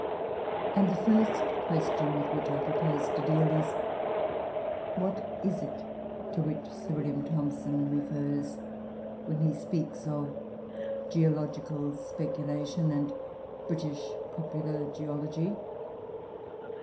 And the first question with which I propose to deal is, What is it to which Sir W. Thomson refers when he speaks of "geological speculation" and "British popular geology"?